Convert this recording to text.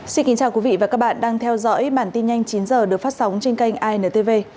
xin kính chào quý vị và các bạn đang theo dõi bản tin nhanh chín h được phát sóng trên kênh intv